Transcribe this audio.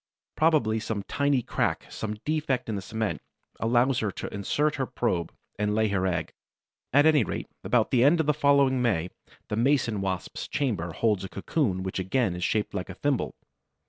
Probably some tiny crack, some defect in the cement, allows her to insert her probe and lay her egg. At any rate, about the end of the following May, the Mason wasp's chamber holds a cocoon which again is shaped like a thimble.